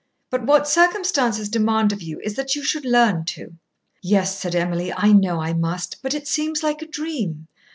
"But what circumstances demand of you is that you should learn to." "Yes," said Emily, "I know I must. But it seems like a dream.